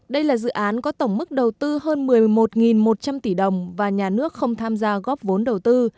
đây là dự án có tổng mức đầu tư hơn một mươi một một trăm linh tỷ đồng và nhà nước không tham gia góp vốn đầu tư